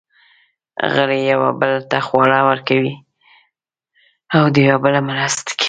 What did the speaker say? غړي یوه بل ته خواړه ورکوي او د یوه بل مرسته کوي.